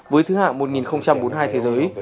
với thứ hạng một nghìn bốn mươi hai thế giới